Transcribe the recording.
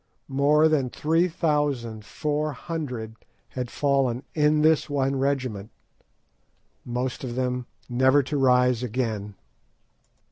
More than three thousand four hundred had fallen in this one regiment, most of them never to rise again.